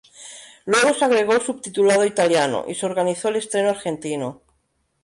Luego se agregó el subtitulado italiano y se organizó el estreno argentino.